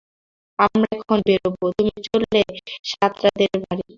আমরা এখন বেরোব, তুমি চললে সাতরাদের বাড়ি।